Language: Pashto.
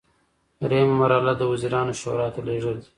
دریمه مرحله د وزیرانو شورا ته لیږل دي.